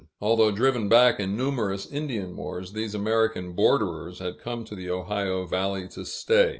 Although driven back in numerous Indian wars, these American borderers had come to the Ohio valley to stay.